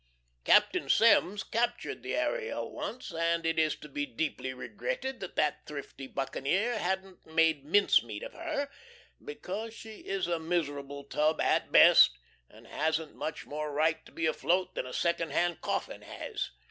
Captain Semmes captured the Ariel once, and it is to be deeply regretted that that thrifty buccaneer hadn't made mince meat of her, because she is a miserable tub at best, and hasn't much more right to be afloat than a second hand coffin has.